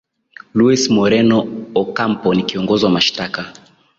luis moreno ocampo ni kiongozi wa mashtaka